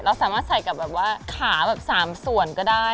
สามารถใส่กับแบบว่าขาแบบ๓ส่วนก็ได้